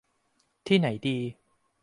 ที่ไหนดี